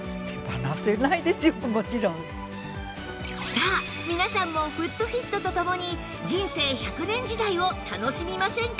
さあ皆さんもフットフィットとともに人生１００年時代を楽しみませんか？